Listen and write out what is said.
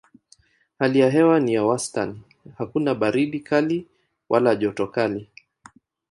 Hali ya hewa ni ya wastani: hakuna baridi kali wala joto kali.